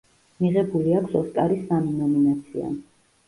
მიღებული აქვს ოსკარის სამი ნომინაცია.